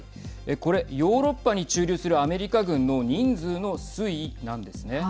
これヨーロッパに駐留するアメリカ軍の人数の推移なんですね。